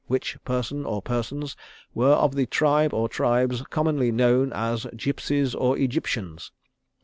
which person or persons were of the tribe or tribes commonly known as gipsies or Egyptians.